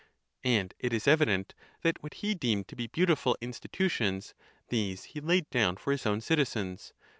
And it is evident, that what he deemed to be beautiful institutions, these he laid down for his own citizens.